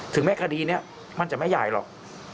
ถึงแม้คดีนี้มันจะไม่ใหญ่หรอก